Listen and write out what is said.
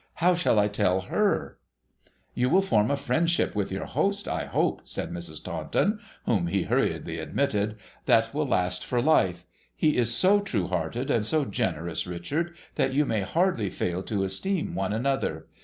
' How shall I tell her ?'' You will form a friendship with your host, I hope,' said Mrs. Taunton, whom he hurriedly admitted, ' that will last for life. He is so true hearted and so generous, Richard, that you can hardly fail to esteem one another.